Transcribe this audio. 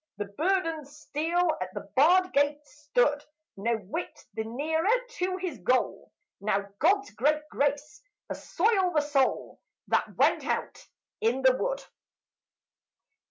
The burdened steed at the barred gate stood, No whit the nearer to his goal. Now God's great grace assoil the soul That went out in the wood!